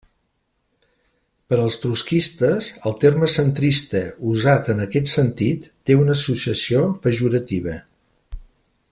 Per als trotskistes, el terme centrista usat en aquest sentit té una associació pejorativa.